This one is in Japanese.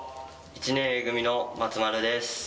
１年Ａ組の松丸です。